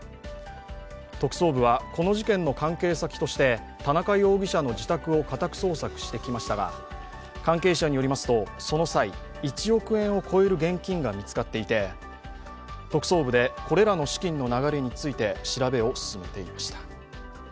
特捜部は、この事件の関係先として田中容疑者の自宅を家宅捜索してきましたが、関係者によりますとその際１億円を超える現金が見つかっていて特捜部で、これらの資金の流れについて調べを進めていました。